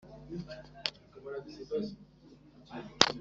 ruteturura kugira isumbe,